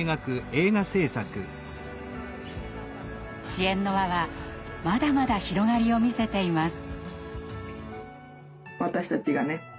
支援の輪はまだまだ広がりを見せています。